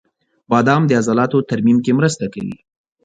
• بادام د عضلاتو ترمیم کې مرسته کوي.